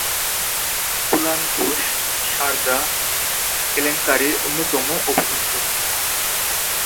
কুনাল ঘোষ সারদা কেলেঙ্কারির অন্যতম অভিযুক্ত।